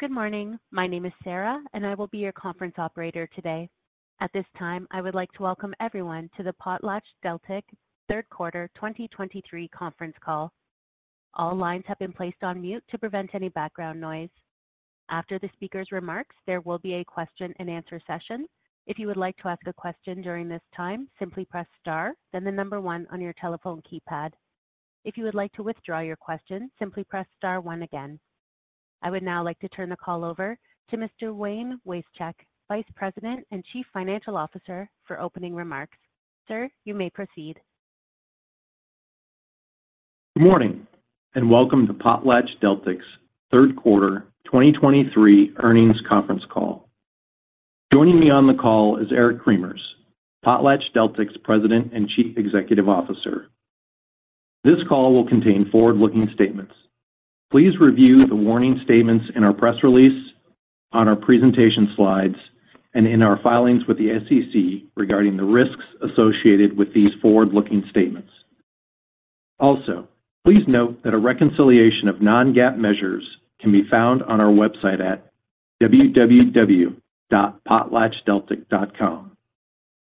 Good morning. My name is Sarah, and I will be your conference operator today. At this time, I would like to welcome everyone to the PotlatchDeltic Third Quarter 2023 Conference Call. All lines have been placed on mute to prevent any background noise. After the speaker's remarks, there will be a question-and-answer session. If you would like to ask a question during this time, simply press Star, then the number one on your telephone keypad. If you would like to withdraw your question, simply press Star one again. I would now like to turn the call over to Mr. Wayne Wasechek, Vice President and Chief Financial Officer, for opening remarks. Sir, you may proceed. Good morning, and welcome to PotlatchDeltic's Third Quarter 2023 Earnings Conference Call. Joining me on the call is Eric Cremers, PotlatchDeltic's President and Chief Executive Officer. This call will contain forward-looking statements. Please review the warning statements in our press release, on our presentation slides, and in our filings with the SEC regarding the risks associated with these forward-looking statements. Also, please note that a reconciliation of non-GAAP measures can be found on our website at www.potlatchdeltic.com.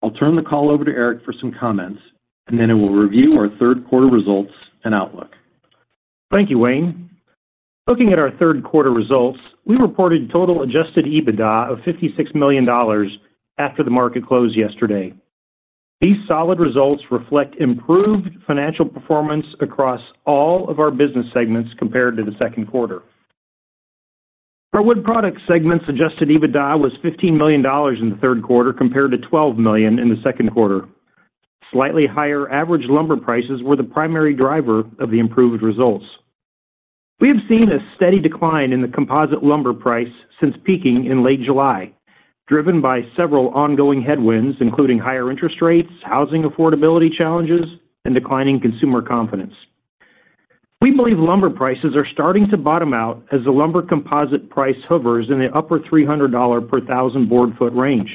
I'll turn the call over to Eric for some comments, and then he will review our third quarter results and outlook. Thank you, Wayne. Looking at our third quarter results, we reported total adjusted EBITDA of $56 million after the market closed yesterday. These solid results reflect improved financial performance across all of our business segments compared to the second quarter. Our Wood Products segment's adjusted EBITDA was $15 million in the third quarter, compared to $12 million in the second quarter. Slightly higher average lumber prices were the primary driver of the improved results. We have seen a steady decline in the composite lumber price since peaking in late July, driven by several ongoing headwinds, including higher interest rates, housing affordability challenges, and declining consumer confidence. We believe lumber prices are starting to bottom out as the lumber composite price hovers in the upper $300 per thousand board foot range.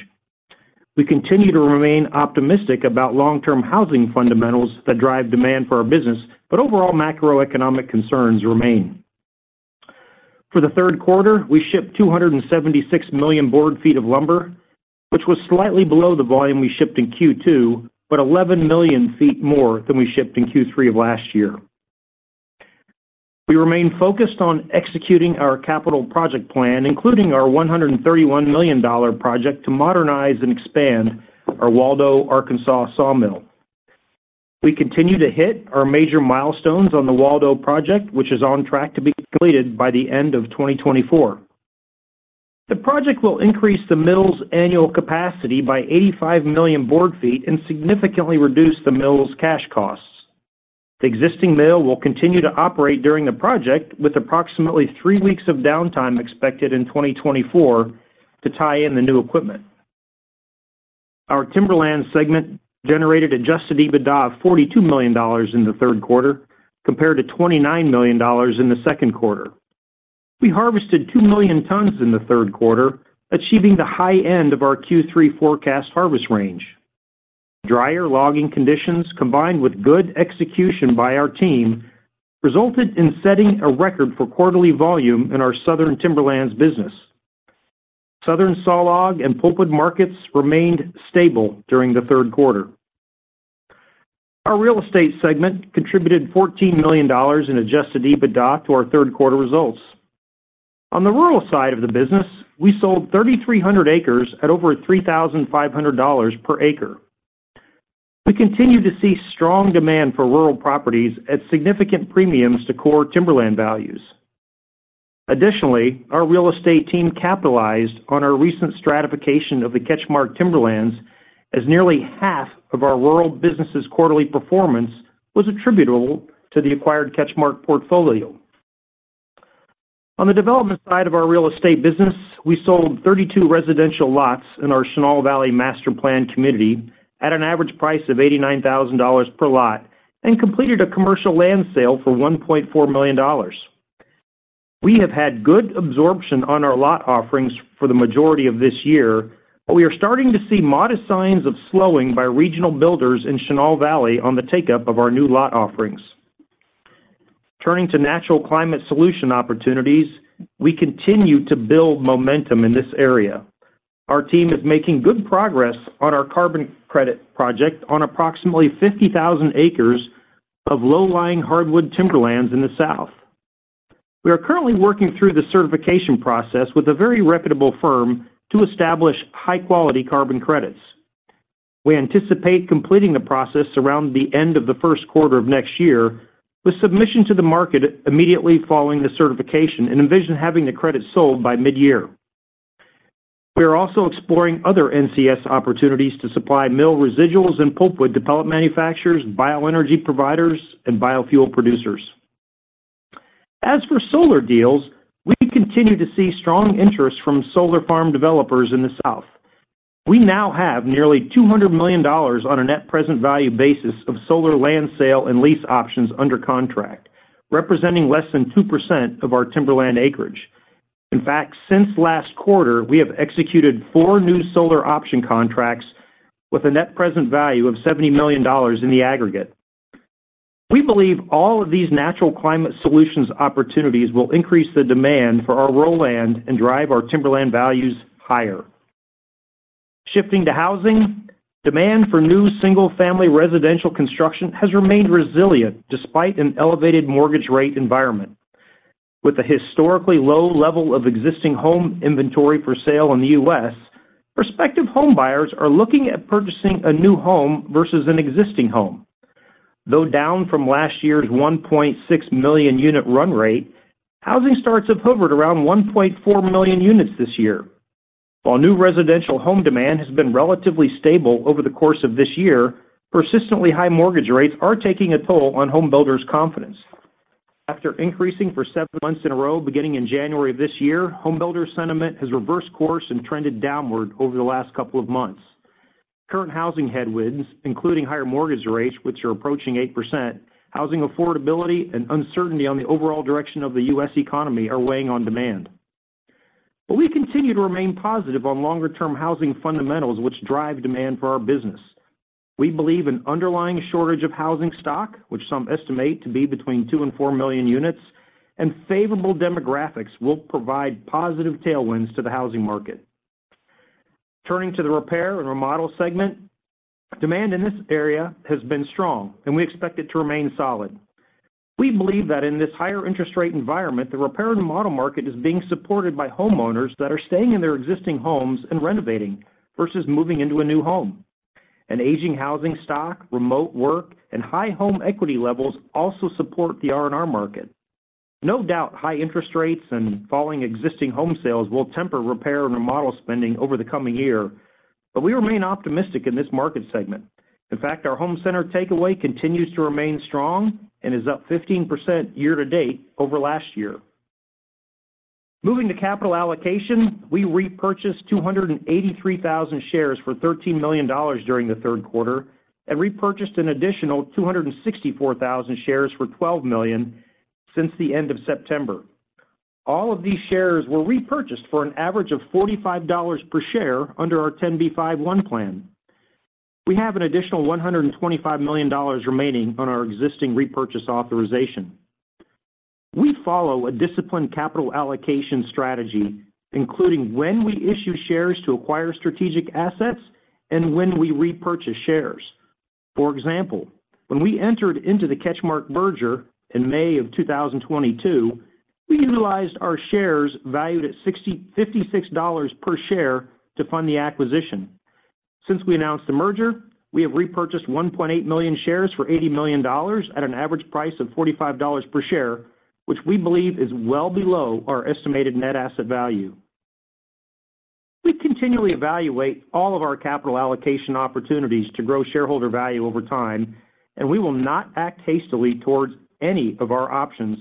We continue to remain optimistic about long-term housing fundamentals that drive demand for our business, but overall macroeconomic concerns remain. For the third quarter, we shipped 276 million board feet of lumber, which was slightly below the volume we shipped in Q2, but 11 million feet more than we shipped in Q3 of last year. We remain focused on executing our capital project plan, including our $131 million project to modernize and expand our Waldo, Arkansas sawmill. We continue to hit our major milestones on the Waldo project, which is on track to be completed by the end of 2024. The project will increase the mill's annual capacity by 85 million board feet and significantly reduce the mill's cash costs. The existing mill will continue to operate during the project, with approximately three weeks of downtime expected in 2024 to tie in the new equipment. Our Timberland segment generated adjusted EBITDA of $42 million in the third quarter, compared to $29 million in the second quarter. We harvested two million tons in the third quarter, achieving the high end of our Q3 forecast harvest range. Drier logging conditions, combined with good execution by our team, resulted in setting a record for quarterly volume in our southern Timberlands business. Southern sawlog and pulpwood markets remained stable during the third quarter. Our real estate segment contributed $14 million in adjusted EBITDA to our third quarter results. On the rural side of the business, we sold 3,300 acres at over $3,500 per acre. We continue to see strong demand for rural properties at significant premiums to core timberland values. Additionally, our real estate team capitalized on our recent stratification of the CatchMark Timberlands, as nearly half of our rural business's quarterly performance was attributable to the acquired CatchMark portfolio. On the development side of our real estate business, we sold 32 residential lots in our Chenal Valley Master Plan community at an average price of $89,000 per lot and completed a commercial land sale for $1.4 million. We have had good absorption on our lot offerings for the majority of this year, but we are starting to see modest signs of slowing by regional builders in Chenal Valley on the take-up of our new lot offerings. Turning to natural climate solution opportunities, we continue to build momentum in this area. Our team is making good progress on our carbon credit project on approximately 50,000 acres of low-lying hardwood timberlands in the South. We are currently working through the certification process with a very reputable firm to establish high-quality carbon credits. We anticipate completing the process around the end of the first quarter of next year, with submission to the market immediately following the certification and envision having the credit sold by mid-year. We are also exploring other NCS opportunities to supply mill residuals and pulpwood to pellet manufacturers, bioenergy providers, and biofuel producers. As for solar deals, we continue to see strong interest from solar farm developers in the South. We now have nearly $200 million on a net present value basis of solar land sale and lease options under contract, representing less than 2% of our timberland acreage. In fact, since last quarter, we have executed four new solar option contracts with a net present value of $70 million in the aggregate. We believe all of these natural climate solutions opportunities will increase the demand for our rural land and drive our timberland values higher. Shifting to housing, demand for new single-family residential construction has remained resilient despite an elevated mortgage rate environment. With a historically low level of existing home inventory for sale in the U.S., prospective homebuyers are looking at purchasing a new home versus an existing home. Though down from last year's 1.6 million unit run rate, housing starts have hovered around 1.4 million units this year. While new residential home demand has been relatively stable over the course of this year, persistently high mortgage rates are taking a toll on home builders' confidence. After increasing for seven months in a row, beginning in January of this year, home builder sentiment has reversed course and trended downward over the last couple of months. Current housing headwinds, including higher mortgage rates, which are approaching 8%, housing affordability, and uncertainty on the overall direction of the U.S. economy, are weighing on demand. But we continue to remain positive on longer-term housing fundamentals, which drive demand for our business. We believe an underlying shortage of housing stock, which some estimate to be between two and four million units, and favorable demographics will provide positive tailwinds to the housing market. Turning to the repair and remodel segment, demand in this area has been strong, and we expect it to remain solid. We believe that in this higher interest rate environment, the repair and remodel market is being supported by homeowners that are staying in their existing homes and renovating versus moving into a new home. An aging housing stock, remote work, and high home equity levels also support the R&R market. No doubt, high interest rates and falling existing home sales will temper repair and remodel spending over the coming year, but we remain optimistic in this market segment. In fact, our home center takeaway continues to remain strong and is up 15% year to date over last year. Moving to capital allocation, we repurchased 283,000 shares for $13 million during the third quarter and repurchased an additional 264,000 shares for $12 million since the end of September. All of these shares were repurchased for an average of $45 per share under our 10b5-1 plan. We have an additional $125 million remaining on our existing repurchase authorization. We follow a disciplined capital allocation strategy, including when we issue shares to acquire strategic assets and when we repurchase shares. For example, when we entered into the CatchMark merger in May 2022, we utilized our shares valued at $60.56 per share to fund the acquisition. Since we announced the merger, we have repurchased 1.8 million shares for $80 million at an average price of $45 per share, which we believe is well below our estimated net asset value. We continually evaluate all of our capital allocation opportunities to grow shareholder value over time, and we will not act hastily towards any of our options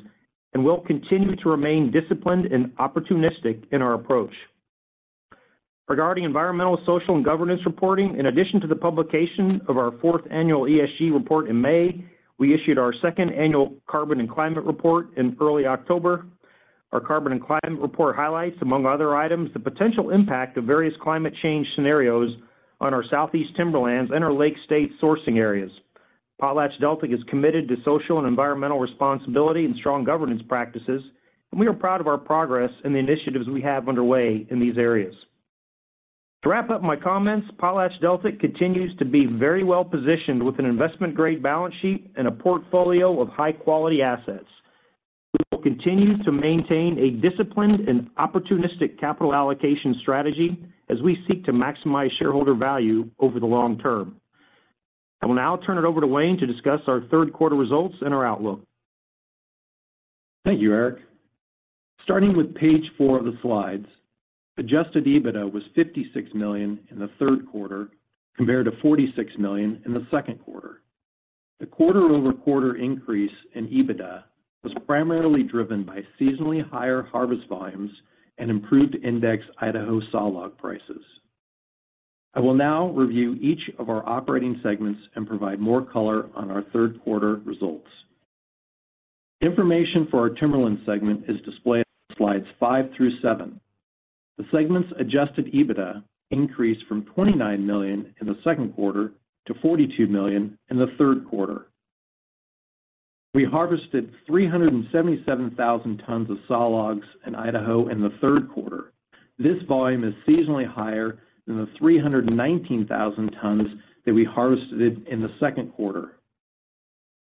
and will continue to remain disciplined and opportunistic in our approach. Regarding environmental, social, and governance reporting, in addition to the publication of our fourth annual ESG report in May, we issued our second annual Carbon and Climate Report in early October. Our Carbon and Climate Report highlights, among other items, the potential impact of various climate change scenarios on our Southeast Timberlands and our Lake State sourcing areas. PotlatchDeltic is committed to social and environmental responsibility and strong governance practices, and we are proud of our progress and the initiatives we have underway in these areas. To wrap up my comments, PotlatchDeltic continues to be very well-positioned with an investment-grade balance sheet and a portfolio of high-quality assets. We will continue to maintain a disciplined and opportunistic capital allocation strategy as we seek to maximize shareholder value over the long term. I will now turn it over to Wayne to discuss our third quarter results and our outlook. Thank you, Eric. Starting with page four of the slides, adjusted EBITDA was $56 million in the third quarter, compared to $46 million in the second quarter. The quarter-over-quarter increase in EBITDA was primarily driven by seasonally higher harvest volumes and improved index Idaho sawlog prices. I will now review each of our operating segments and provide more color on our third quarter results. Information for our Timberland segment is displayed on slides five through seven. The segment's adjusted EBITDA increased from $29 million in the second quarter to $42 million in the third quarter. We harvested 377,000 tons of sawlogs in Idaho in the third quarter. This volume is seasonally higher than the 319,000 tons that we harvested in the second quarter.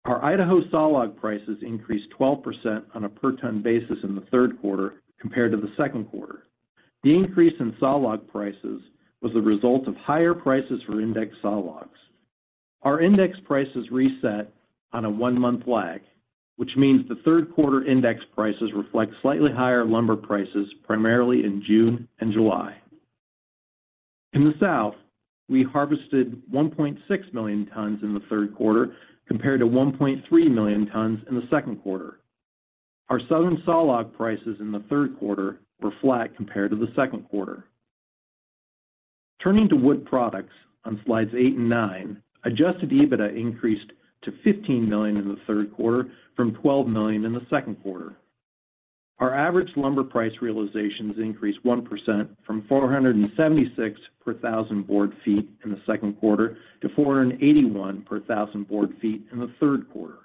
Our Idaho sawlog prices increased 12% on a per ton basis in the third quarter compared to the second quarter. The increase in sawlog prices was the result of higher prices for index sawlogs. Our index prices reset on a one-month lag, which means the third quarter index prices reflect slightly higher lumber prices, primarily in June and July. In the South, we harvested 1.6 million tons in the third quarter, compared to 1.3 million tons in the second quarter. Our Southern sawlog prices in the third quarter were flat compared to the second quarter. Turning to Wood Products on slides eight and nine, Adjusted EBITDA increased to $15 million in the third quarter from $12 million in the second quarter. Our average lumber price realizations increased 1% from $476 per thousand board feet in the second quarter to $481 per thousand board feet in the third quarter.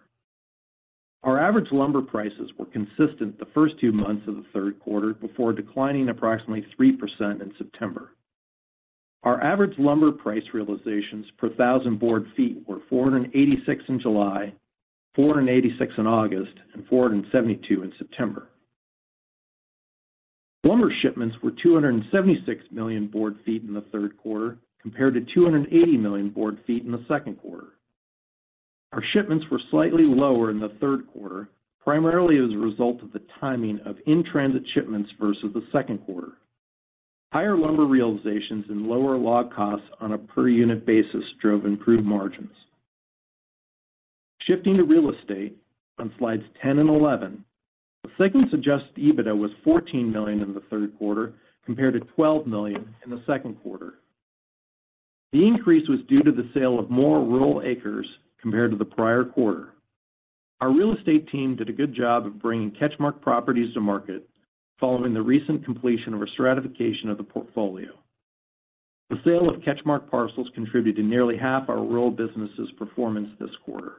Our average lumber prices were consistent the first two months of the third quarter before declining approximately 3% in September. Our average lumber price realizations per thousand board feet were $486 in July, $486 in August, and $472 in September. Lumber shipments were 276 million board feet in the third quarter, compared to 280 million board feet in the second quarter. Our shipments were slightly lower in the third quarter, primarily as a result of the timing of in-transit shipments versus the second quarter. Higher lumber realizations and lower log costs on a per unit basis drove improved margins. Shifting to real estate on slides 10 and 11, the segment Adjusted EBITDA was $14 million in the third quarter, compared to $12 million in the second quarter. The increase was due to the sale of more rural acres compared to the prior quarter. Our real estate team did a good job of bringing CatchMark properties to market following the recent completion of a stratification of the portfolio. The sale of CatchMark parcels contributed to nearly half our rural business's performance this quarter.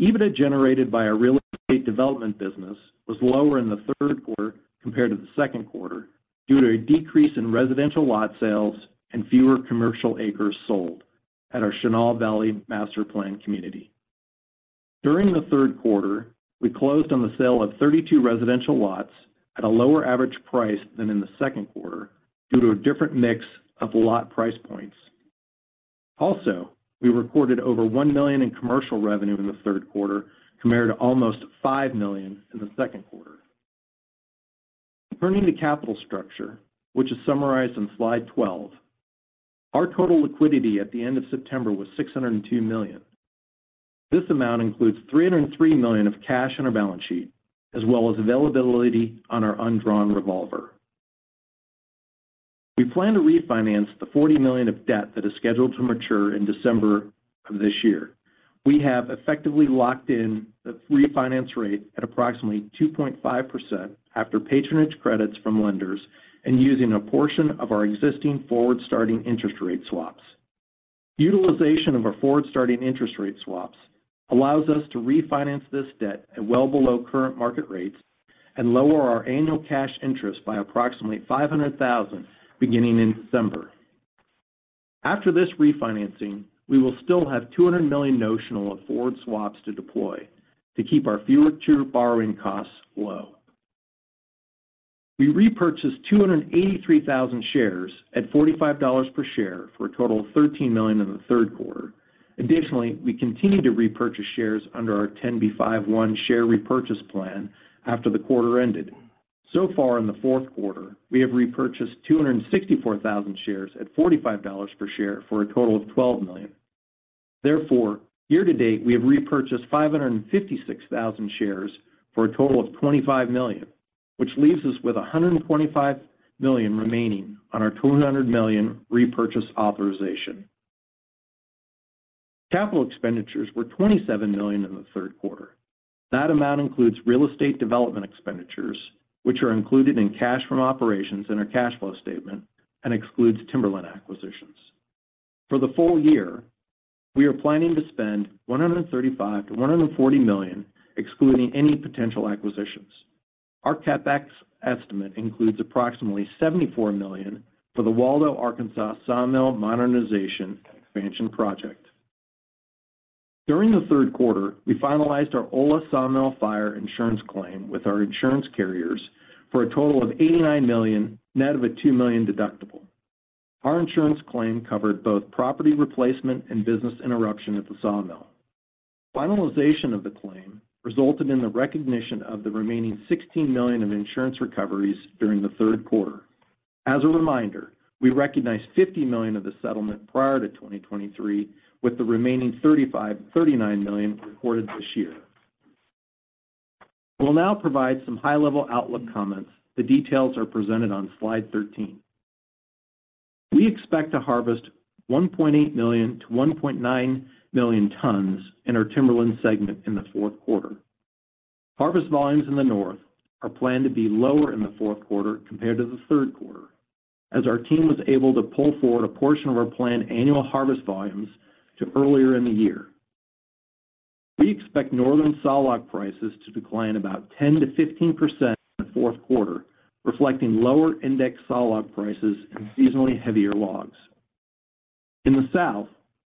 EBITDA generated by our real estate development business was lower in the third quarter compared to the second quarter, due to a decrease in residential lot sales and fewer commercial acres sold at our Chenal Valley Master Plan community. During the third quarter, we closed on the sale of 32 residential lots at a lower average price than in the second quarter, due to a different mix of lot price points. Also, we recorded over $1 million in commercial revenue in the third quarter, compared to almost $5 million in the second quarter. Turning to capital structure, which is summarized in slide 12, our total liquidity at the end of September was $602 million. This amount includes $303 million of cash on our balance sheet, as well as availability on our undrawn revolver. We plan to refinance the $40 million of debt that is scheduled to mature in December of this year. We have effectively locked in the refinance rate at approximately 2.5% after patronage credits from lenders and using a portion of our existing forward-starting interest rate swaps. Utilization of our forward-starting interest rate swaps allows us to refinance this debt at well below current market rates and lower our annual cash interest by approximately $500,000, beginning in December. After this refinancing, we will still have $200 million notional of forward swaps to deploy to keep our future borrowing costs low. We repurchased 283,000 shares at $45 per share for a total of $13 million in the third quarter. Additionally, we continued to repurchase shares under our 10b5-1 share repurchase plan after the quarter ended. So far in the fourth quarter, we have repurchased 264,000 shares at $45 per share for a total of $12 million. Therefore, year to date, we have repurchased 556,000 shares for a total of $25 million, which leaves us with $125 million remaining on our $200 million repurchase authorization. Capital expenditures were $27 million in the third quarter. That amount includes real estate development expenditures, which are included in cash from operations in our cash flow statement and excludes timberland acquisitions. For the full year, we are planning to spend $135 million to $140 million, excluding any potential acquisitions. Our CapEx estimate includes approximately $74 million for the Waldo, Arkansas sawmill modernization and expansion project. During the third quarter, we finalized our Ola sawmill fire insurance claim with our insurance carriers for a total of $89 million, net of a $2 million deductible. Our insurance claim covered both property replacement and business interruption at the sawmill. Finalization of the claim resulted in the recognition of the remaining $16 million of insurance recoveries during the third quarter. As a reminder, we recognized $50 million of the settlement prior to 2023, with the remaining $35-$39 million recorded this year. We'll now provide some high-level outlook comments. The details are presented on slide 13. We expect to harvest 1.8 million to 1.9 million tons in our timberland segment in the fourth quarter. Harvest volumes in the North are planned to be lower in the fourth quarter compared to the third quarter, as our team was able to pull forward a portion of our planned annual harvest volumes to earlier in the year. We expect Northern sawlog prices to decline about 10%-15% in the fourth quarter, reflecting lower index sawlog prices and seasonally heavier logs. In the South,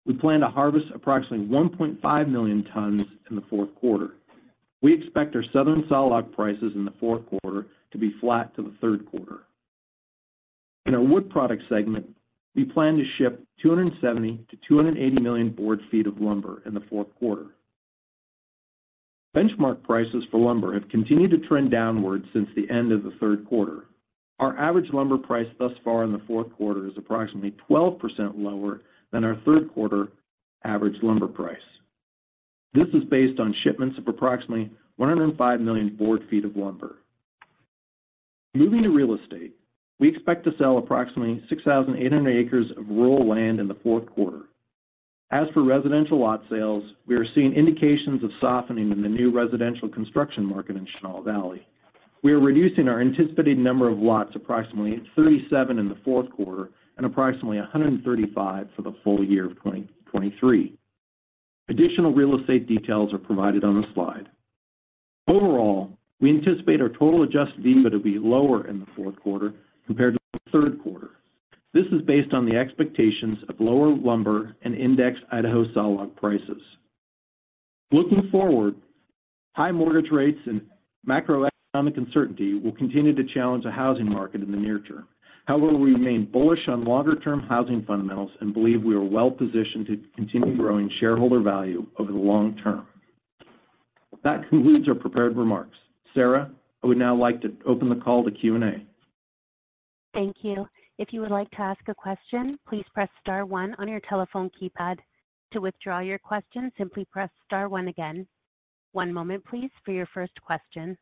we plan to harvest approximately 1.5 million tons in the fourth quarter. We expect our Southern sawlog prices in the fourth quarter to be flat to the third quarter. In our wood product segment, we plan to ship 270-280 million board feet of lumber in the fourth quarter. Benchmark prices for lumber have continued to trend downward since the end of the third quarter. Our average lumber price thus far in the fourth quarter is approximately 12% lower than our third quarter average lumber price. This is based on shipments of approximately 105 million board feet of lumber. .Moving to real estate, we expect to sell approximately 6,800 acres of rural land in the fourth quarter. As for residential lot sales, we are seeing indications of softening in the new residential construction market in Chenal Valley. We are reducing our anticipated number of lots, approximately 37 in the fourth quarter and approximately 135 for the full year of 2023. Additional real estate details are provided on the slide. Overall, we anticipate our total Adjusted EBITDA to be lower in the fourth quarter compared to the third quarter. This is based on the expectations of lower lumber and indexed Idaho sawlog prices. Looking forward, high mortgage rates and macroeconomic uncertainty will continue to challenge the housing market in the near term. However, we remain bullish on longer-term housing fundamentals and believe we are well positioned to continue growing shareholder value over the long term. That concludes our prepared remarks. Sarah, I would now like to open the call to Q&A. Thank you. If you would like to ask a question, please press star one on your telephone keypad. To withdraw your question, simply press star one again. One moment, please, for your first question.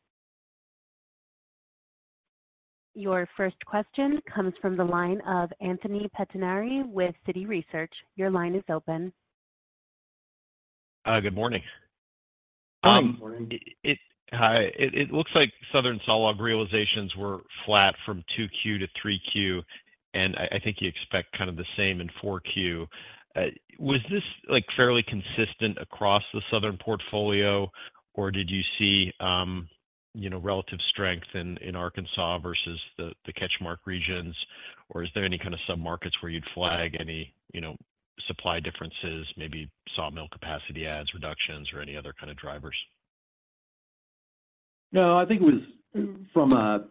Your first question comes from the line of Anthony Pettinari with Citi Research. Your line is open. Good morning. Hi. Good morning. It looks like southern sawlog realizations were flat from 2Q to 3Q, and I think you expect kind of the same in 4Q. Was this, like, fairly consistent across the southern portfolio, or did you see, you know, relative strength in Arkansas versus the CatchMark regions? Or is there any kind of submarkets where you'd flag any, you know, supply differences, maybe sawmill capacity adds, reductions, or any other kind of drivers? No, I think it was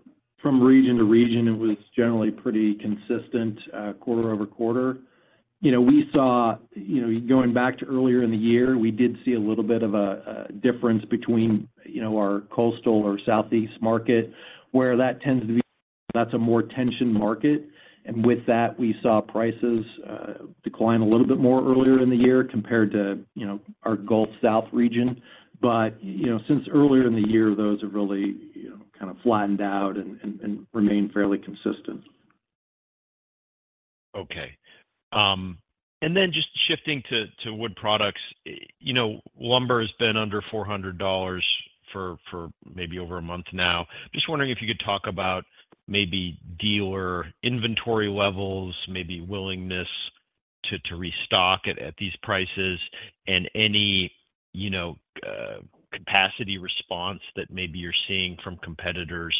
from region to region, it was generally pretty consistent quarter-over-quarter. You know, we saw you know, going back to earlier in the year, we did see a little bit of a difference between our coastal or southeast market, where that tends to be, that's a more tensioned market. And with that, we saw prices decline a little bit more earlier in the year compared to our Gulf South region. But, you know, since earlier in the year, those have really, you know, kind of flattened out and remained fairly consistent. Okay. And then just shifting to wood products. You know, lumber has been under $400 for maybe over a month now. Just wondering if you could talk about maybe dealer inventory levels, maybe willingness to restock at these prices, and any, you know, capacity response that maybe you're seeing from competitors,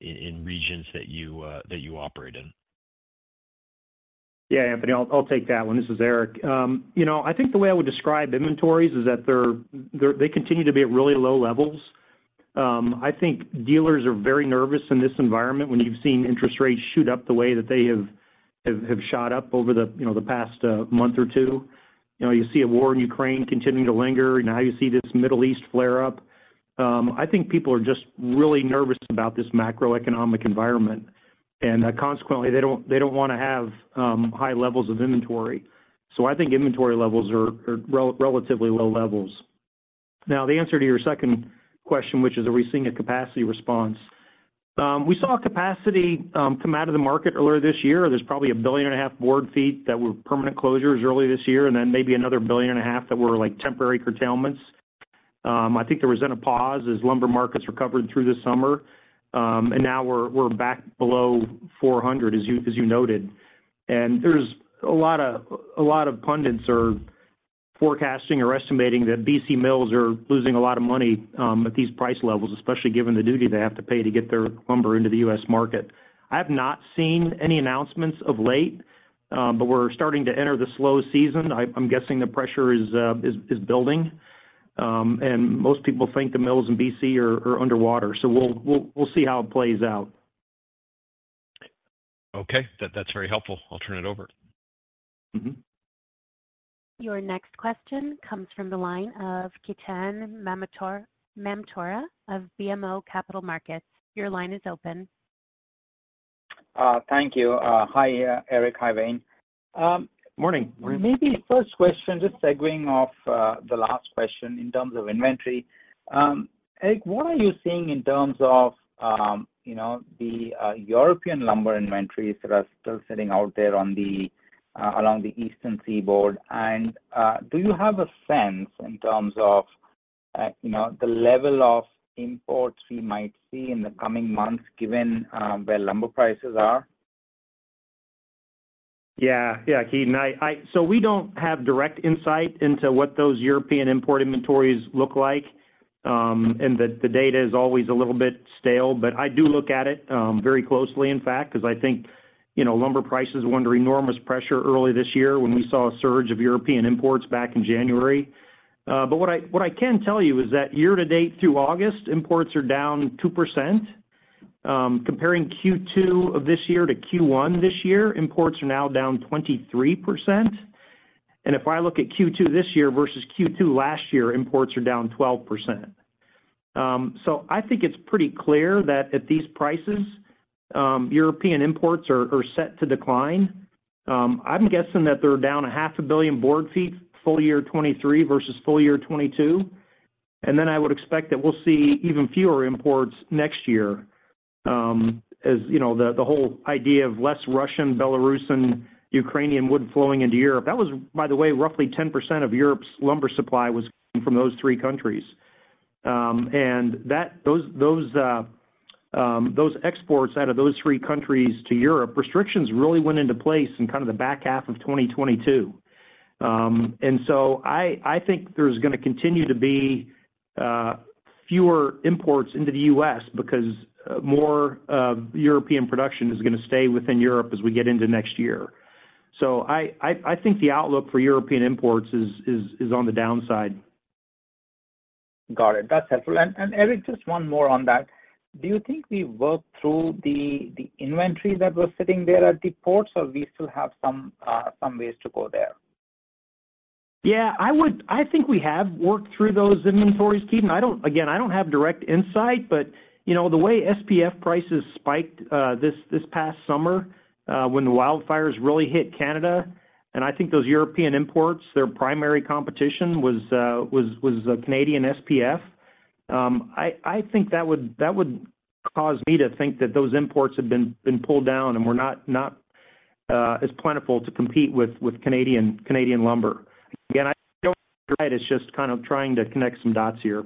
in regions that you operate in. Yeah, Anthony, I'll take that one. This is Eric. You know, I think the way I would describe inventories is that they're, they continue to be at really low levels. I think dealers are very nervous in this environment when you've seen interest rates shoot up the way that they have shot up over the, you know, the past month or two. You know, you see a war in Ukraine continuing to linger, now you see this Middle East flare up. I think people are just really nervous about this macroeconomic environment, and consequently, they don't want to have high levels of inventory. So I think inventory levels are relatively low levels. Now, the answer to your second question, which is, are we seeing a capacity response? We saw capacity come out of the market earlier this year. There's probably 1.5 billion board feet that were permanent closures early this year, and then maybe another 1.5 billion that were, like, temporary curtailments. I think there was then a pause as lumber markets recovered through the summer. And now we're back below 400, as you noted. And there's a lot of pundits are forecasting or estimating that BC mills are losing a lot of money at these price levels, especially given the duty they have to pay to get their lumber into the U.S. market. I have not seen any announcements of late, but we're starting to enter the slow season. I'm guessing the pressure is building. And most people think the mills in BC are underwater, so we'll see how it plays out. Okay, that, that's very helpful. I'll turn it over. Your next question comes from the line of Ketan Mamtora of BMO Capital Markets. Your line is open. Thank you. Hi, Eric. Hi, Wayne. Um, morning. Maybe first question, just segueing off the last question in terms of inventory. Eric, what are you seeing in terms of, you know, the European lumber inventories that are still sitting out there on the along the Eastern Seaboard? And, do you have a sense in terms of, you know, the level of imports we might see in the coming months, given where lumber prices are? Yeah. Yeah, Ketan, I so we don't have direct insight into what those European import inventories look like, and the data is always a little bit stale. But I do look at it very closely, in fact, because I think, you know, lumber prices were under enormous pressure early this year when we saw a surge of European imports back in January. But what I can tell you is that year to date through August, imports are down 2%. Comparing Q2 of this year to Q1 this year, imports are now down 23%. And if I look at Q2 this year versus Q2 last year, imports are down 12%. So I think it's pretty clear that at these prices, European imports are set to decline. I'm guessing that they're down 500 million board feet, full year 2023 versus full year 2022. Then I would expect that we'll see even fewer imports next year. As you know, the whole idea of less Russian, Belarusian, Ukrainian wood flowing into Europe. That was, by the way, roughly 10% of Europe's lumber supply was from those three countries. And those exports out of those three countries to Europe, restrictions really went into place in kind of the back half of 2022. And so I think there's gonna continue to be fewer imports into the U.S. because more European production is gonna stay within Europe as we get into next year. So I think the outlook for European imports is on the downside. Got it. That's helpful. And, Eric, just one more on that. Do you think we worked through the inventory that was sitting there at the ports, or we still have some ways to go there? Yeah, I would. I think we have worked through those inventories, Ketan. I don't. Again, I don't have direct insight, but, you know, the way SPF prices spiked, this past summer, when the wildfires really hit Canada, and I think those European imports, their primary competition was Canadian SPF. I think that would cause me to think that those imports have been pulled down and were not as plentiful to compete with Canadian lumber. Again, right, it's just kind of trying to connect some dots here.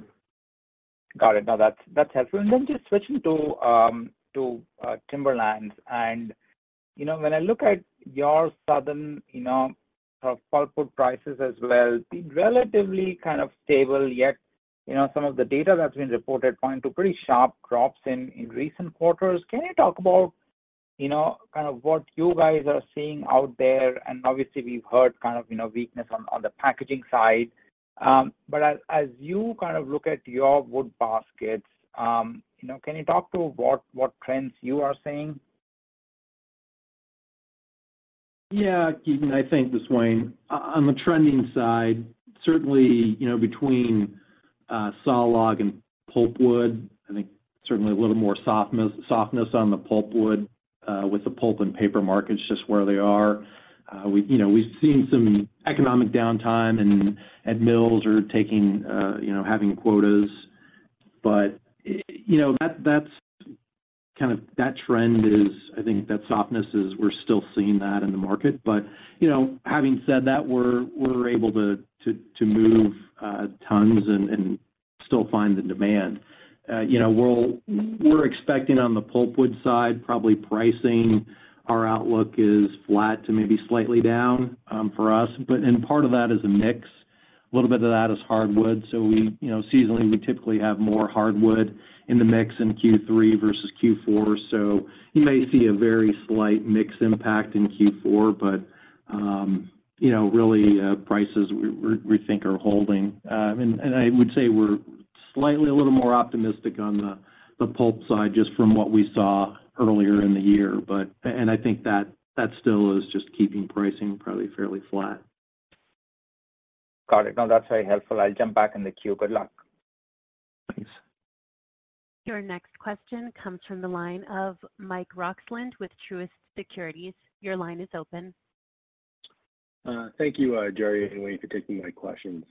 Got it. No, that's helpful. And then just switching to timberlands. And, you know, when I look at your southern, you know, sort of pulpwood prices as well, been relatively kind of stable, yet, you know, some of the data that's been reported point to pretty sharp drops in recent quarters. Can you talk about, you know, kind of what you guys are seeing out there? And obviously, we've heard kind of, you know, weakness on the packaging side. But as you kind of look at your wood baskets, you know, can you talk to what trends you are seeing? Yeah, Ketan, I think this way. On the trending side, certainly, you know, between sawlog and pulpwood, I think certainly a little more softness, softness on the pulpwood with the pulp and paper markets, just where they are. We, you know, we've seen some economic downtime, and mills are taking, you know, having quotas. But you know, that's, that's kind of that trend is, I think that softness is we're still seeing that in the market. But, you know, having said that, we're able to move tons and still find the demand. You know, we're expecting on the pulpwood side, probably pricing our outlook is flat to maybe slightly down for us. But and part of that is a mix. A little bit of that is hardwood. So we, you know, seasonally, we typically have more hardwood in the mix in Q3 versus Q4. So you may see a very slight mix impact in Q4, but, you know, really, prices we think are holding. And I would say we're slightly a little more optimistic on the pulp side, just from what we saw earlier in the year. But, and I think that still is just keeping pricing probably fairly flat. Got it. No, that's very helpful. I'll jump back in the queue. Good luck. Thanks. Your next question comes from the line of Mike Roxland with Truist Securities. Your line is open. Thank you, Jerry, anyway, for taking my questions.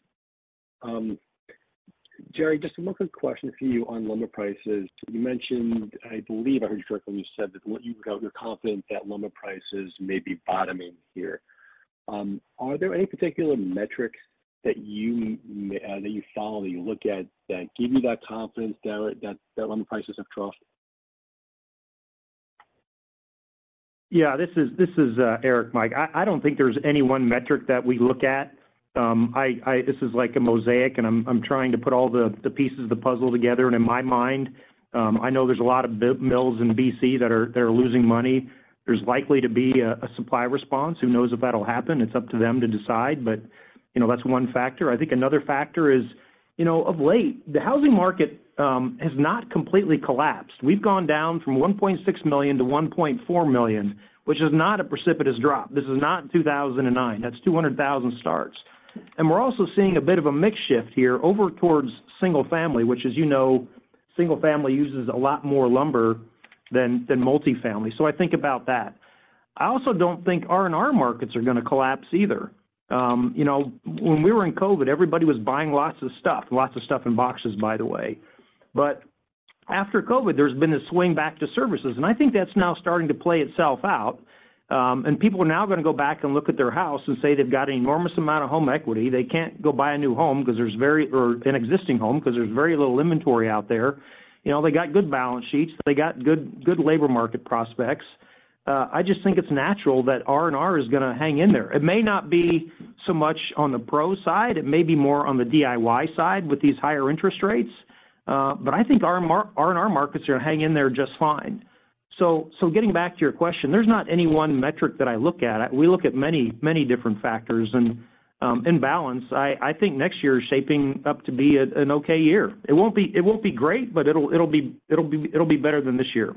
Jerry, just a quick question for you on lumber prices. You mentioned, I believe I heard you correctly, you said that what you felt you're confident that lumber prices may be bottoming here. Are there any particular metrics that you follow, that you look at, that give you that confidence that lumber prices have dropped? Yeah, this is Eric, Mike. I don't think there's any one metric that we look at. This is like a mosaic, and I'm trying to put all the pieces of the puzzle together. And in my mind, I know there's a lot of mills in BC that are losing money. There's likely to be a supply response. Who knows if that'll happen? It's up to them to decide. But, you know, that's one factor. I think another factor is, you know, of late, the housing market has not completely collapsed. We've gone down from 1.6 million to 1.4 million, which is not a precipitous drop. This is not 2009. That's 200,000 starts. We're also seeing a bit of a mix shift here over towards single family, which, as you know, single family uses a lot more lumber than multifamily. So I think about that. I also don't think R&R markets are gonna collapse either. You know, when we were in COVID, everybody was buying lots of stuff, lots of stuff in boxes, by the way. But after COVID, there's been a swing back to services, and I think that's now starting to play itself out. And people are now gonna go back and look at their house and say they've got an enormous amount of home equity. They can't go buy a new home because there's very, or an existing home, because there's very little inventory out there. You know, they got good balance sheets. They got good labor market prospects. I just think it's natural that R&R is gonna hang in there. It may not be so much on the pro side. It may be more on the DIY side with these higher interest rates, but I think our R&R markets are gonna hang in there just fine. So, so getting back to your question, there's not any one metric that I look at. We look at many, many different factors. And, in balance, I, I think next year is shaping up to be an okay year. It won't be, it won't be great, but it'll, it'll be, it'll be, it'll be better than this year.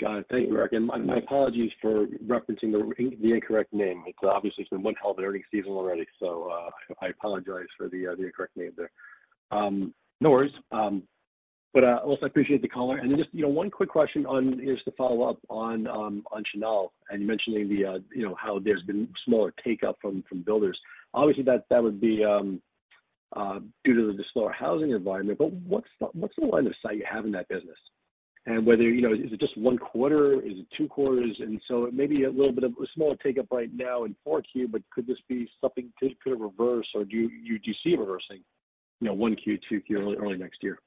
Got it. Thank you, Eric, and my apologies for referencing the incorrect name. It's obviously been one hell of an earnings season already, so I apologize for the incorrect name there. No worries. But also I appreciate the color. And then just, you know, one quick question on, just to follow up on Chenal, and you mentioning the, you know, how there's been smaller take-up from builders. Obviously, that would be due to the slower housing environment, but what's the line of sight you have in that business? And whether, you know, is it just one quarter? Is it two quarters? So it may be a little bit of a smaller take-up right now in 4Q, but could this be something that could reverse, or do you, do you see it reversing, you know, 1Q, 2Q, early, early next year?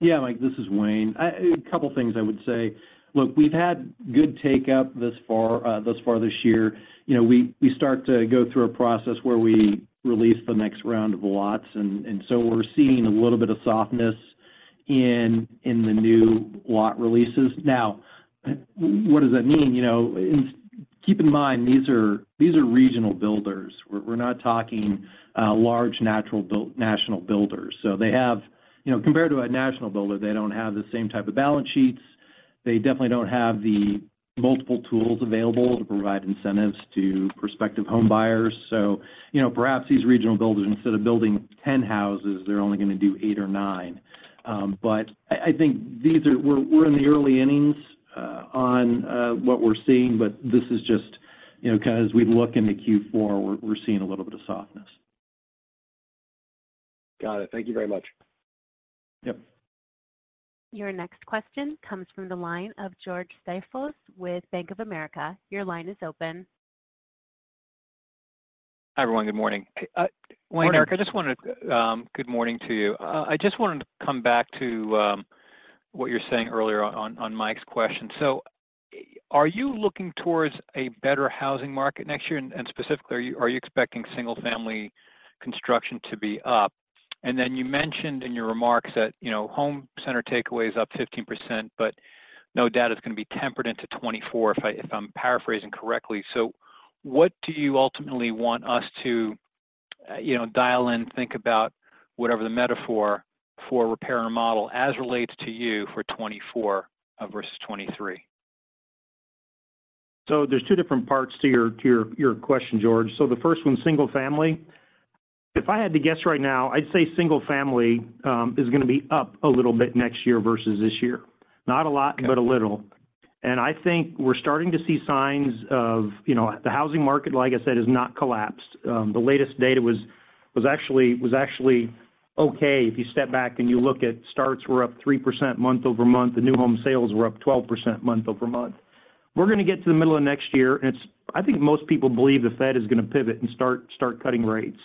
Yeah, Mike, this is Wayne. I, a couple of things I would say. Look, we've had good take-up thus far, thus far this year. You know, we start to go through a process where we release the next round of lots, and so we're seeing a little bit of softness in the new lot releases. Now, what does that mean? You know, and keep in mind, these are regional builders. We're not talking large national builders. So they have you know, compared to a national builder, they don't have the same type of balance sheets. They definitely don't have the multiple tools available to provide incentives to prospective home buyers. So, you know, perhaps these regional builders, instead of building 10 houses, they're only gonna do eight or nine. But I think these are, we're in the early innings on what we're seeing, but this is just, you know, 'cause as we look into Q4, we're seeing a little bit of softness. Got it. Thank you very much. Yep. Your next question comes from the line of George Staphos with Bank of America. Your line is open. Hi, everyone. Good morning. Morning. Wayne, Eric. Good morning to you. I just wanted to come back to what you were saying earlier on Mike's question. So are you looking towards a better housing market next year? And specifically, are you expecting single-family construction to be up? And then you mentioned in your remarks that, you know, home center takeaway is up 15%, but no doubt it's going to be tempered into 2024, if I'm paraphrasing correctly. So what do you ultimately want us to, you know, dial in, think about, whatever the metaphor for repair and remodel as it relates to you for 2024 versus 2023? So there's two different parts to your question, George. So the first one, single family. If I had to guess right now, I'd say single family is gonna be up a little bit next year versus this year. Not a lot- Okay But a little. And I think we're starting to see signs of, you know. The housing market, like I said, has not collapsed. The latest data was actually okay. If you step back and you look at starts were up 3% month-over-month, and new home sales were up 12% month-over-month. We're gonna get to the middle of next year, and it's. I think most people believe the Fed is gonna pivot and start cutting rates.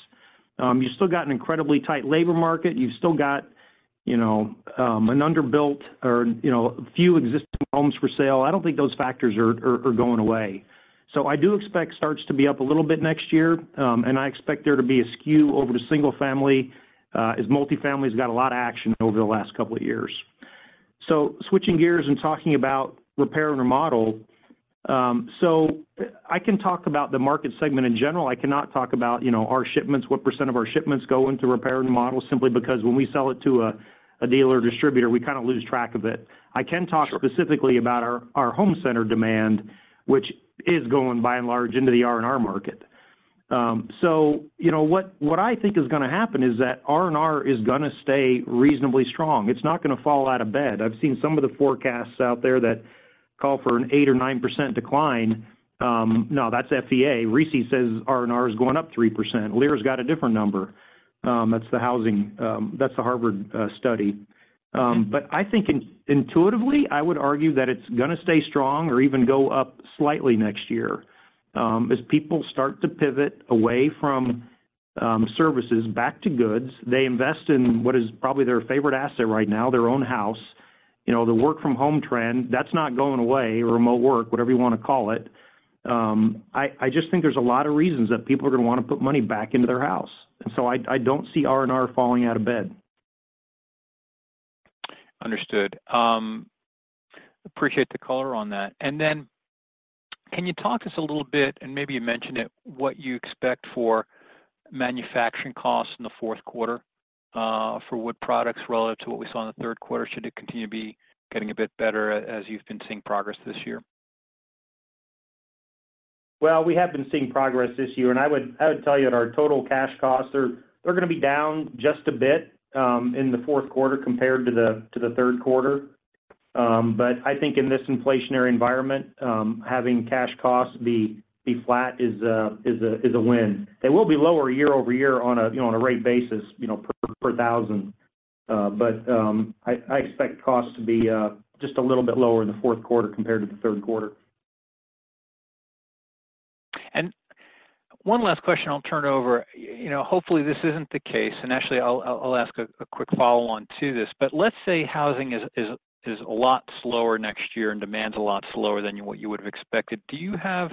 You still got an incredibly tight labor market. You've still got, you know, an underbuilt or, you know, few existing homes for sale. I don't think those factors are going away. So I do expect starts to be up a little bit next year, and I expect there to be a skew over to single family, as multifamily's got a lot of action over the last couple of years. So switching gears and talking about repair and remodel, so I can talk about the market segment in general. I cannot talk about, you know, our shipments, what percent of our shipments go into repair and remodel, simply because when we sell it to a dealer or distributor, we kind of lose track of it. Sure. I can talk specifically about our home center demand, which is going by and large into the R&R market. So you know, what I think is gonna happen is that R&R is gonna stay reasonably strong. It's not gonna fall out of bed. I've seen some of the forecasts out there that call for an eight or 9% decline. No, that's FEA. RISI says R&R is going up 3%. LIRA's got a different number. That's the housing, that's the Harvard study. But I think intuitively, I would argue that it's gonna stay strong or even go up slightly next year. As people start to pivot away from services back to goods, they invest in what is probably their favorite asset right now, their own house. You know, the work-from-home trend, that's not going away, remote work, whatever you want to call it. I just think there's a lot of reasons that people are gonna want to put money back into their house, and so I don't see R&R falling out of bed. Understood. Appreciate the color on that. Then can you talk to us a little bit, and maybe you mentioned it, what you expect for manufacturing costs in the fourth quarter for wood products relative to what we saw in the third quarter? Should it continue to be getting a bit better as you've been seeing progress this year? Well, we have been seeing progress this year, and I would tell you that our total cash costs are gonna be down just a bit in the fourth quarter compared to the third quarter. But I think in this inflationary environment, having cash costs be flat is a win. They will be lower year over year on a rate basis, you know, per thousand. But I expect costs to be just a little bit lower in the fourth quarter compared to the third quarter. One last question, and I'll turn it over. You know, hopefully, this isn't the case, and actually, I'll ask a quick follow-on to this. But let's say housing is a lot slower next year and demand's a lot slower than you—what you would have expected. Do you have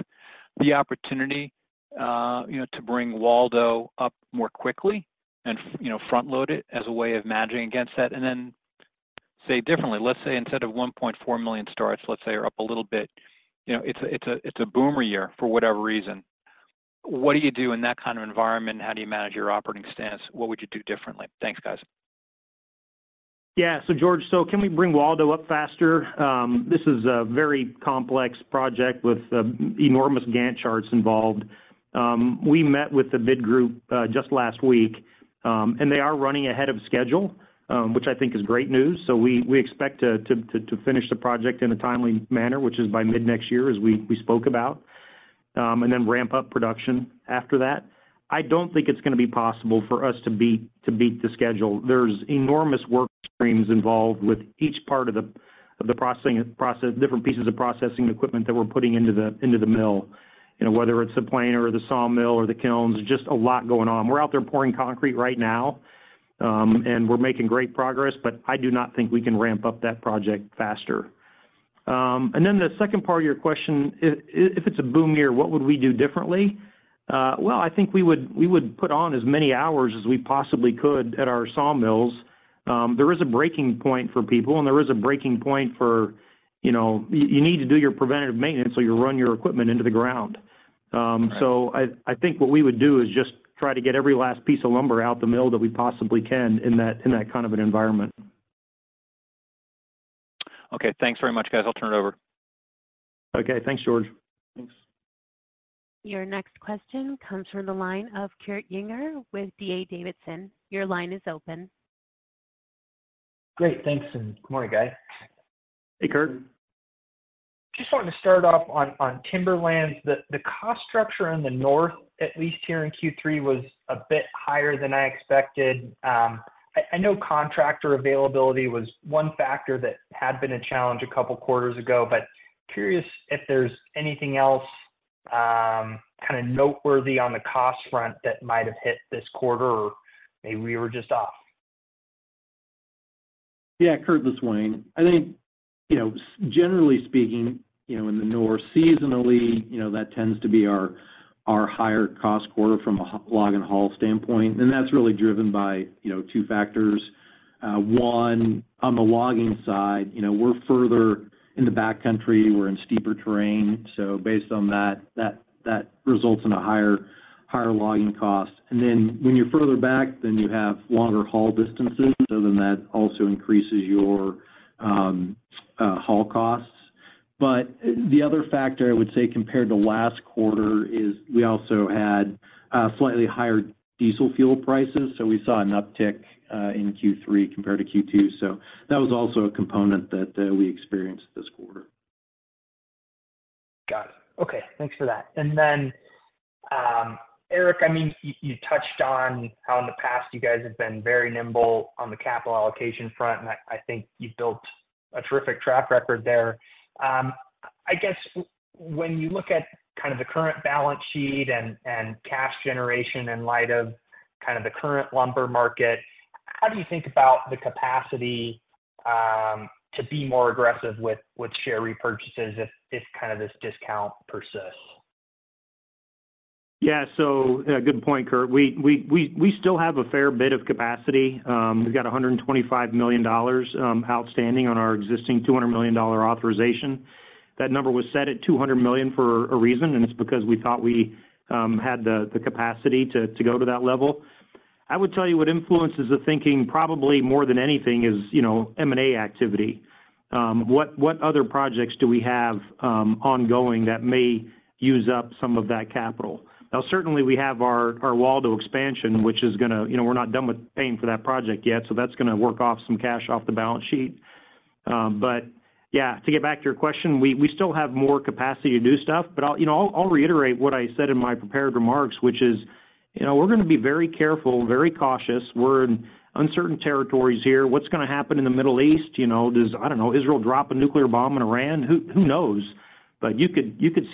the opportunity, you know, to bring Waldo up more quickly and, you know, front-load it as a way of managing against that? And then, say, differently, let's say instead of 1.4 million starts, let's say you're up a little bit, you know, it's a boomer year for whatever reason. What do you do in that kind of environment? How do you manage your operating status? What would you do differently? Thanks, guys. Yeah. So George, can we bring Waldo up faster? This is a very complex project with enormous Gantt charts involved. We met with the BID Group just last week, and they are running ahead of schedule, which I think is great news. So we expect to finish the project in a timely manner, which is by mid-next year, as we spoke about, and then ramp up production after that. I don't think it's gonna be possible for us to beat the schedule. There's enormous work streams involved with each part of the processing process, different pieces of processing equipment that we're putting into the mill. You know, whether it's the planer or the sawmill or the kilns, there's just a lot going on. We're out there pouring concrete right now, and we're making great progress, but I do not think we can ramp up that project faster. And then the second part of your question, if it's a boom year, what would we do differently? Well, I think we would put on as many hours as we possibly could at our sawmills. There is a breaking point for people, and there is a breaking point for, you know, you need to do your preventative maintenance, or you'll run your equipment into the ground. So I think what we would do is just try to get every last P&E of lumber out the mill that we possibly can in that kind of an environment. Okay, thanks very much, guys. I'll turn it over. Okay. Thanks, George. Thanks. Your next question comes from the line of Kurt Yinger with D.A. Davidson. Your line is open. Great. Thanks, and good morning, guys. Hey, Kurt. Just wanted to start off on Timberlands. The cost structure in the north, at least here in Q3, was a bit higher than I expected. I know contractor availability was one factor that had been a challenge a couple of quarters ago, but curious if there's anything else, kinda noteworthy on the cost front that might have hit this quarter, or maybe we were just off? Yeah, Kurt, this is Wayne. I think, you know, generally speaking, you know, in the north, seasonally, you know, that tends to be our, our higher cost quarter from a log and haul standpoint, and that's really driven by, you know, two factors. One, on the logging side, you know, we're further in the backcountry, we're in steeper terrain, so based on that, that, that results in a higher, higher logging cost. And then when you're further back, then you have longer haul distances, so then that also increases your, haul costs. But the other factor, I would say, compared to last quarter is we also had, slightly higher diesel fuel prices, so we saw an uptick, in Q3 compared to Q2. So that was also a component that, we experienced this quarter. Got it. Okay, thanks for that. And then, Eric, I mean, you touched on how in the past you guys have been very nimble on the capital allocation front, and I think you've built a terrific track record there. I guess when you look at kind of the current balance sheet and cash generation in light of kind of the current lumber market, how do you think about the capacity to be more aggressive with share repurchases if kind of this discount persists? Yeah. So, good point, Kurt. We still have a fair bit of capacity. We've got $125 million outstanding on our existing $200 million authorization. That number was set at $200 million for a reason, and it's because we thought we had the capacity to go to that level. I would tell you what influences the thinking probably more than anything is, you know, M&A activity. What other projects do we have ongoing that may use up some of that capital? Now, certainly, we have our Waldo expansion, which is gonna you know, we're not done with paying for that project yet, so that's gonna work off some cash off the balance sheet. But yeah, to get back to your question, we still have more capacity to do stuff, but you know, I'll REITerate what I said in my prepared remarks, which is, you know, we're gonna be very careful, very cautious. We're in uncertain territories here. What's gonna happen in the Middle East? You know, does, I don't know, Israel drop a nuclear bomb on Iran? Who knows? But you can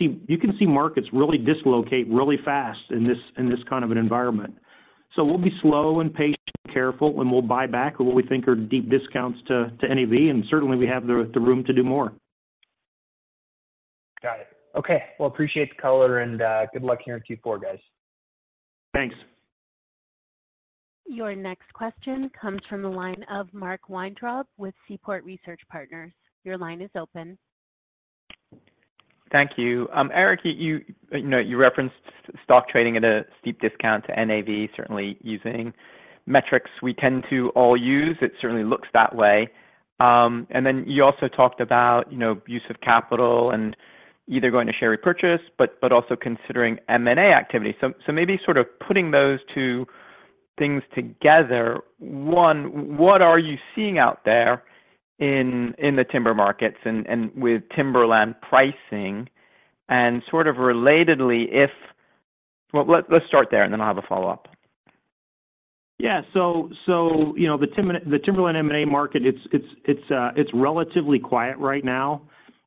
see markets really dislocate really fast in this kind of an environment. So we'll be slow and patient, careful, and we'll buy back at what we think are deep discounts to NAV, and certainly, we have the room to do more. Got it. Okay. Well, appreciate the color, and good luck here in Q4, guys. Thanks. Your next question comes from the line of Mark Weintraub with Seaport Research Partners. Your line is open. Thank you. Eric, you know, you referenced stock trading at a steep discount to NAV. Certainly, using metrics we tend to all use, it certainly looks that way. And then you also talked about, you know, use of capital and either going to share repurchase, but also considering M&A activity. So maybe sort of putting those two things together, what are you seeing out there in the timber markets and with timberland pricing? And sort of relatedly, well, let's start there, and then I'll have a follow-up. Yeah. So, you know, the timberland M&A market, it's relatively quiet right now.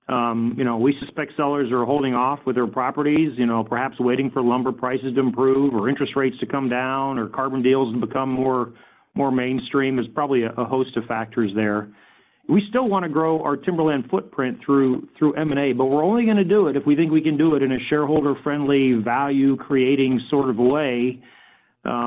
You know, we suspect sellers are holding off with their properties, you know, perhaps waiting for lumber prices to improve or interest rates to come down or carbon deals to become more mainstream. There's probably a host of factors there. We still wanna grow our timberland footprint through M&A, but we're only gonna do it if we think we can do it in a shareholder-friendly, value-creating sort of way.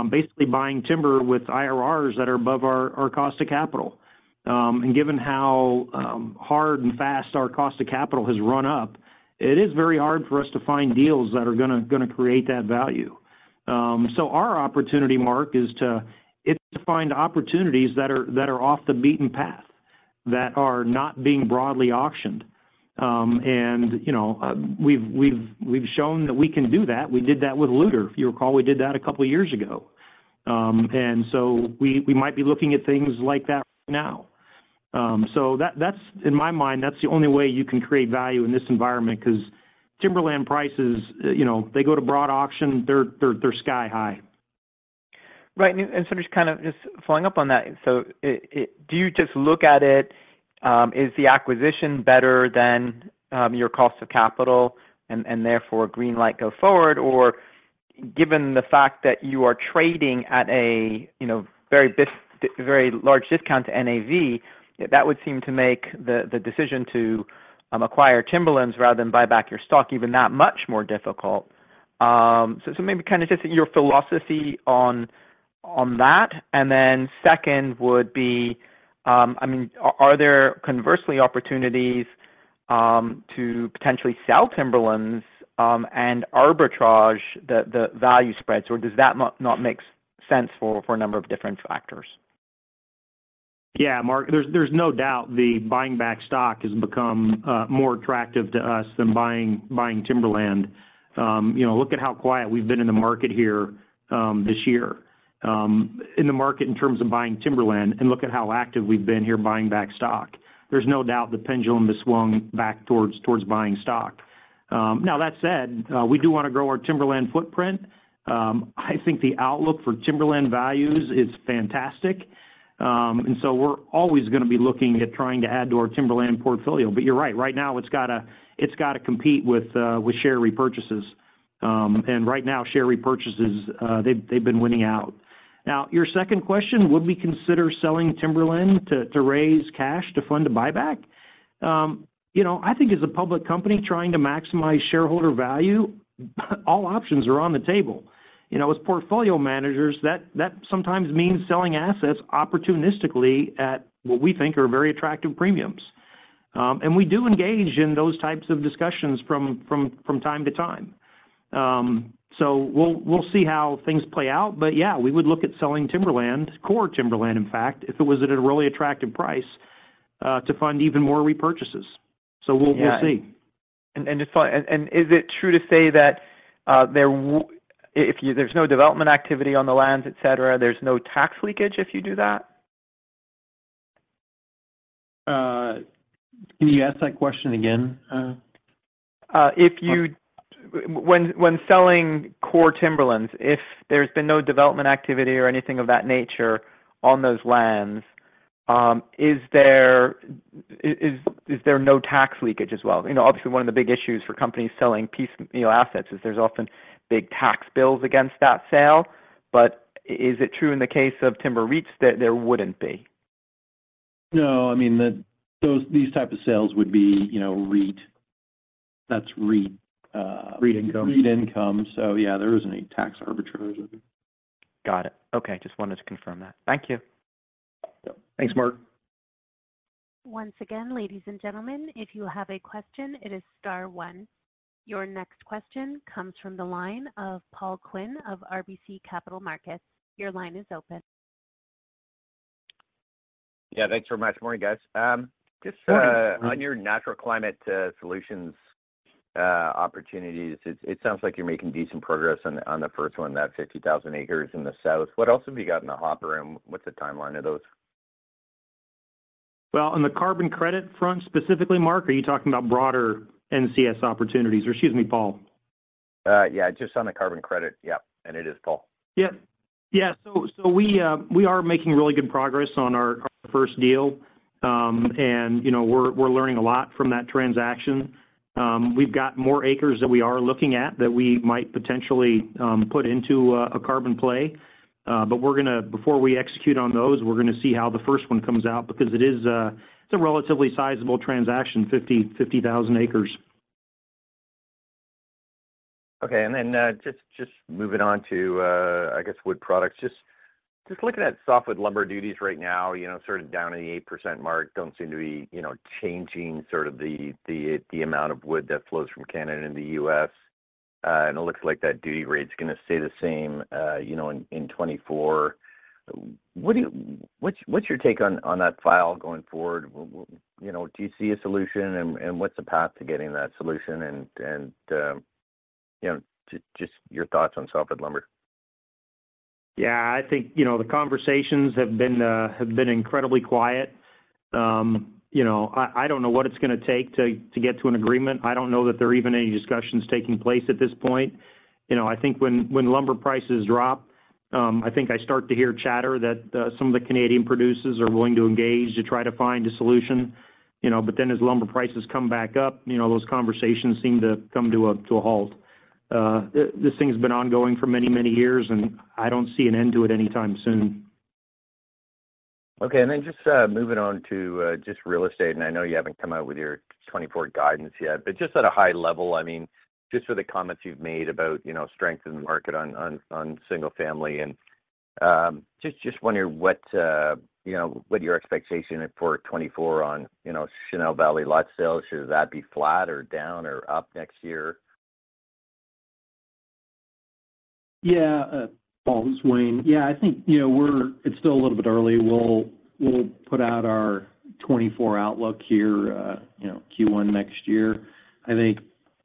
Basically buying timber with IRRs that are above our cost of capital. And given how hard and fast our cost of capital has run up, it is very hard for us to find deals that are gonna create that value. So our opportunity, Mark, is it's to find opportunities that are, that are off the beaten path, that are not being broadly auctioned. And, you know, we've shown that we can do that. We did that with Loutre. If you recall, we did that a couple of years ago. And so we might be looking at things like that now. So that's in my mind, that's the only way you can create value in this environment, 'cause timberland prices, you know, they go to broad auction, they're sky high. Right. And so just kind of just following up on that. So do you just look at it, is the acquisition better than your cost of capital and therefore green light go forward? Or given the fact that you are trading at a, you know, very large discount to NAV, that would seem to make the decision to acquire timberlands rather than buy back your stock even that much more difficult. So maybe kind of just your philosophy on that. And then second would be, I mean, are there conversely opportunities to potentially sell timberlands and arbitrage the value spreads, or does that not make sense for a number of different factors? Yeah, Mark, there's no doubt the buying back stock has become more attractive to us than buying timberland. You know, look at how quiet we've been in the market here this year. In the market in terms of buying timberland, and look at how active we've been here buying back stock. There's no doubt the pendulum has swung back towards buying stock. Now, that said, we do want to grow our timberland footprint. I think the outlook for timberland values is fantastic. And so we're always gonna be looking at trying to add to our timberland portfolio. But you're right. Right now, it's gotta compete with share repurchases. And right now, share repurchases, they've been winning out. Now, your second question, would we consider selling timberland to raise cash, to fund a buyback? You know, I think as a public company trying to maximize shareholder value, all options are on the table. You know, as portfolio managers, that sometimes means selling assets opportunistically at what we think are very attractive premiums. And we do engage in those types of discussions from time to time. So we'll see how things play out. But yeah, we would look at selling timberland, core timberland, in fact, if it was at a really attractive price, to fund even more repurchases. Yeah. So we'll, we'll see. Is it true to say that if there's no development activity on the lands, et cetera there's no tax leakage if you do that? Can you ask that question again? When selling core timberlands, if there's been no development activity or anything of that nature on those lands, is there no tax leakage as well? You know, obviously, one of the big issues for companies selling piece, you know, assets, is there's often big tax bills against that sale. But is it true in the case of timber REITs that there wouldn't be? No. I mean, these type of sales would be, you know, REIT, that's REIT. REIT income REIT income. So yeah, there isn't any tax arbitrage with it. Got it. Okay, just wanted to confirm that. Thank you. Yep. Thanks, Mark. Once again, ladies and gentlemen, if you have a question, it is star one. Your next question comes from the line of Paul Quinn of RBC Capital Markets. Your line is open. Yeah, thanks very much. Morning, guys. Just on your Natural Climate Solutions opportunities, it sounds like you're making decent progress on the first one, that 50,000 acres in the south. What else have you got in the hopper room? What's the timeline of those? Well, on the carbon credit front, specifically, Mark, are you talking about broader NCS opportunities? Or excuse me, Paul. Yeah, just on the carbon credit. Yep, and it is Paul. Yeah. Yeah. So we are making really good progress on our first deal. And you know, we're learning a lot from that transaction. We've got more acres that we are looking at that we might potentially put into a carbon play. But we're gonna, before we execute on those, we're gonna see how the first one comes out, because it is, it's a relatively sizable transaction, 50,000 acres. Okay. And then, just moving on to, I guess wood products. Just looking at softwood lumber duties right now, you know, sort of down in the 8% mark, don't seem to be, you know, changing sort of the amount of wood that flows from Canada into U.S. And it looks like that duty rate is gonna stay the same, you know, in 2024. What's your take on that file going forward? You know, do you see a solution? And what's the path to getting that solution? And, you know, just your thoughts on softwood lumber. Yeah, I think, you know, the conversations have been incredibly quiet. You know, I don't know what it's gonna take to get to an agreement. I don't know that there are even any discussions taking place at this point. You know, I think when lumber prices drop, I think I start to hear chatter that some of the Canadian producers are willing to engage to try to find a solution, you know. But then as lumber prices come back up, you know, those conversations seem to come to a halt. This thing has been ongoing for many, many years, and I don't see an end to it anytime soon. Okay, and then just moving on to just real estate, and I know you haven't come out with your 2024 guidance yet, but just at a high level, I mean, just for the comments you've made about, you know, strength in the market on single family, and just wondering what, you know, what your expectation for 2024 on, you know, Chenal Valley lot sales, should that be flat, or down, or up next year? Yeah, Paul, this is Wayne. Yeah, I think, you know, we're. It's still a little bit early. We'll put out our 2024 outlook here, you know, Q1 next year, I think.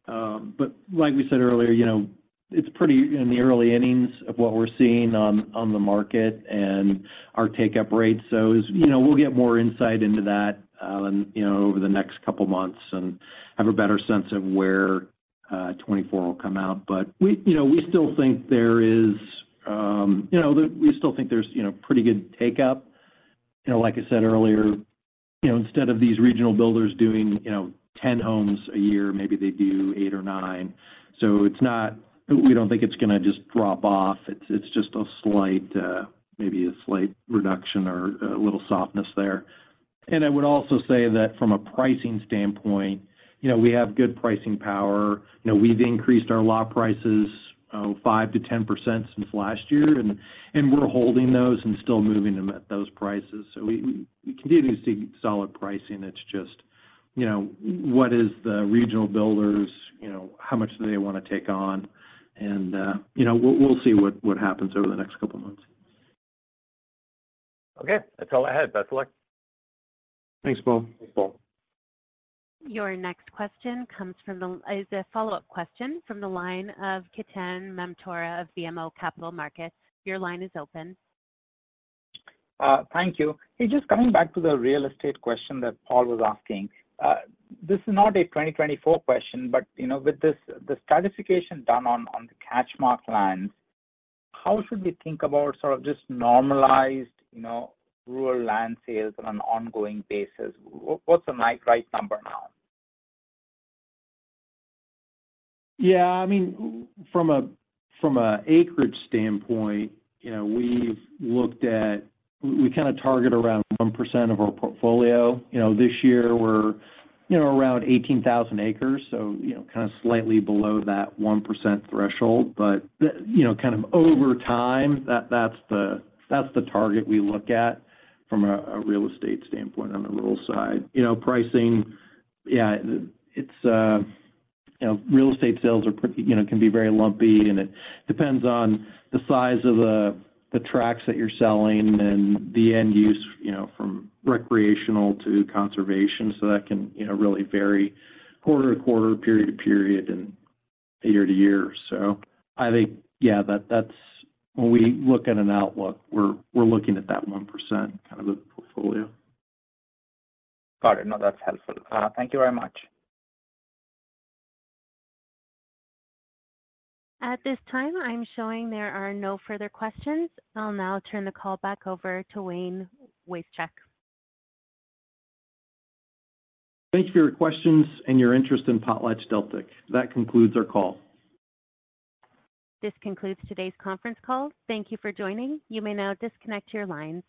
But like we said earlier, you know, it's pretty early in the innings of what we're seeing on the market and our take-up rate. So, you know, we'll get more insight into that, you know, over the next couple of months and have a better sense of where 2024 will come out. But we, you know, we still think there's, you know, pretty good take-up. You know, like I said earlier, you know, instead of these regional builders doing, you know, 10 homes a year, maybe they do eight or nine. So it's not we don't think it's gonna just drop off, it's just a slight, maybe a slight reduction or a little softness there. And I would also say that from a pricing standpoint, you know, we have good pricing power. You know, we've increased our lot prices, 5%-10% since last year, and we're holding those and still moving them at those prices. So we continue to see solid pricing. It's just, you know, what is the regional builders you know, how much do they want to take on? And, you know, we'll see what happens over the next couple of months. Okay. That's all I had. Best luck. Thanks, Paul. Thanks, Paul. Your next question is a follow-up question from the line of Ketan Mamtora of BMO Capital Markets. Your line is open. Thank you. Hey, just coming back to the real estate question that Paul was asking. This is not a 2024 question, but, you know, with this, the stratification done on the CatchMark lands, how should we think about sort of just normalized, you know, rural land sales on an ong ing basis? What, what's the right number now? Yeah, I mean, from a acreage standpoint, you know, we've looked at we kinda target around 1% of our portfolio. You know, this year we're, you know, around 18,000 acres, so, you know, kinda slightly below that 1% threshold. But, you know, kind of over time, that, that's the, that's the target we look at from a, a real estate standpoint on the rural side. You know, pricing, yeah, it's, you know, real estate sales are pretty, you know, can be very lumpy, and it depends on the size of the, the tracts that you're selling and the end use, you know, from recreational to conservation. So that can, you know, really vary quarter to quarter, period to period, and year to year. I think, yeah, that's when we look at an outlook, we're looking at that 1% kind of the portfolio. Got it. No, that's helpful. Thank you very much. At this time, I'm showing there are no further questions. I'll now turn the call back over to Wayne Wasechek. Thank you for your questions and your interest in PotlatchDeltic. That concludes our call. This concludes today's conference call. Thank you for joining. You may now disconnect your lines.